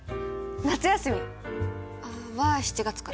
夏休み！は７月からか。